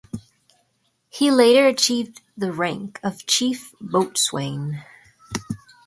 He later achieved the rank of chief boatswain.